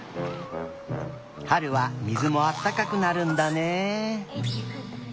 はるはみずもあったかくなるんだね。